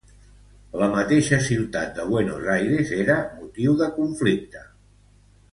La mateixa ciutat de Buenos Aires era motiu de conflicte.